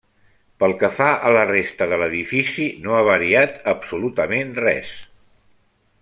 Pel que fa a la resta de l'edifici, no ha variat absolutament res.